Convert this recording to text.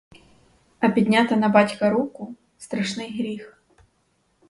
А підняти на батька руку — страшний гріх.